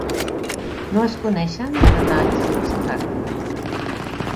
No es coneixen detalls dels seus actes.